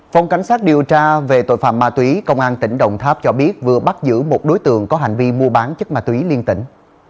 phòng cảnh sát điều tra về tội phạm ma túy công an tỉnh đồng tháp cho biết vừa bắt giữ một đối tượng có hành vi mua bán chất ma túy liên tỉnh